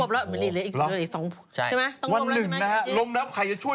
รวบต้องรวบแล้ว